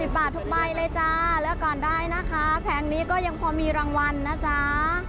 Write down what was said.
บาททุกใบเลยจ้าเลือกก่อนได้นะคะแผงนี้ก็ยังพอมีรางวัลนะจ๊ะ